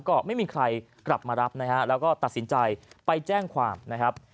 ก็ไม่มีใครกลับมารับนะฮะแล้วก็ตัดสินใจไปแจ้งความนะครับ